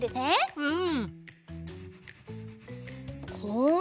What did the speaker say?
うん。